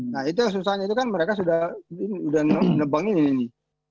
nah itu yang susahnya itu kan mereka sudah nebangin ini